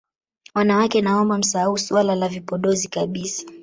Wanawake naomba msahau swala la vipodozi kabisa